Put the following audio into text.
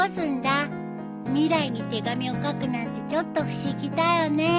未来に手紙を書くなんてちょっと不思議だよね。